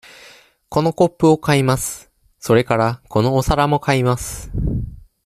このコップを買います。それから、このお皿も買います。